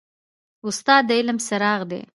استاد د علم څراغ دی.